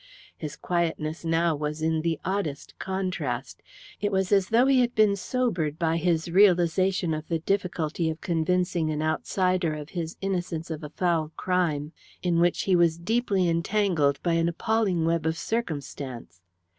His quietness now was in the oddest contrast. It was as though he had been sobered by his realization of the difficulty of convincing an outsider of his innocence of a foul crime in which he was deeply entangled by an appalling web of circumstance.